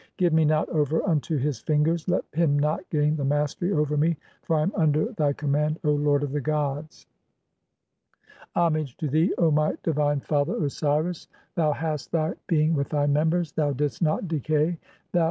Give me not over unto his fingers, "let him not gain the mastery over me, for I am under thy "command, O lord of the gods." "Homage to thee, O my divine father Osiris, thou hast thy "being with thy members. (16) Thou didst not decay, thou didst 1.